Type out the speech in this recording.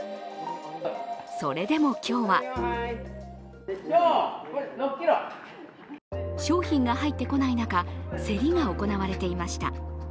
それでも今日は、商品が入ってこない中、競りが行われていました。